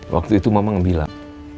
waktu itu mamang bilang